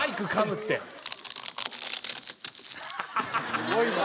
すごいな。